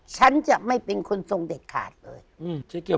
ฉันจะไม่เป็นคนทรงเด็ดขาดเลย